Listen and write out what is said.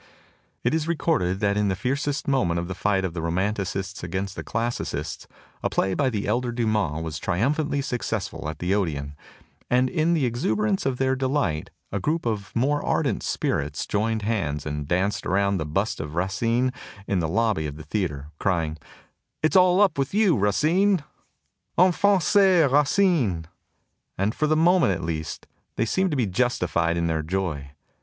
It is recorded that in the fiercest moment of the fight of the Romanticists against the Classi cists, a play by the elder Dumas was trium phantly successful at the Odeon; and in the ex uberance of their delight a group of the more ardent spirits joined hands and danced around the bust of Racine in the lobby of the theater, crying, "It's all up with you, Racine !" En jonct Racine I And for the moment at least they seemed to be justified in their joy.